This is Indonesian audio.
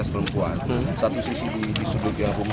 satu sisi di sudut rumah itu